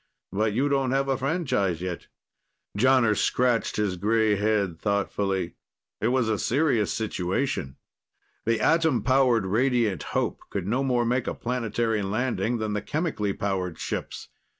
But you don't have a franchise yet." Jonner scratched his grey head thoughtfully. It was a serious situation. The atom powered Radiant Hope could no more make a planetary landing than the chemically powered ships.